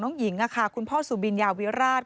น้องหญิงคุณพ่อสุบินยาวิราช